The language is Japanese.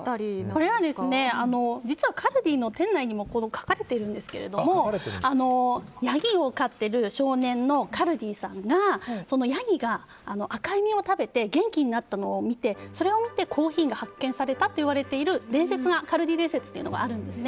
これは実はカルディの店内にも書かれているんですがヤギを飼ってる少年のカルディさんがヤギが赤い実を食べて元気になったのを見てそれを見てコーヒーが発見されたといわれているカルディ伝説があるんです。